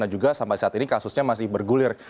dan juga sampai saat ini kasusnya masih bergulir